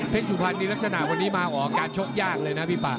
สุพรรณนี่ลักษณะวันนี้มาออกการชกยากเลยนะพี่ป่า